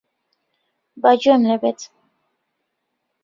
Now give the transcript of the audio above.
با گوێم لێ بێت.